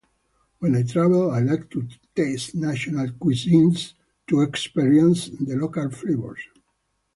When I travel, I like to taste national cuisines to experience the local flavors.